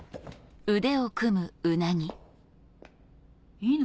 いいの？